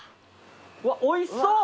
うわおいしそう！